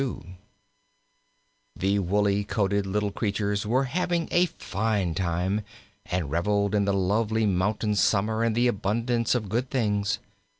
The woolly coated little creatures were having a fine time, and reveled in the lovely mountain summer and the abundance of good things.